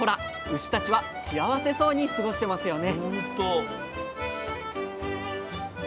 牛たちは幸せそうに過ごしてますよね！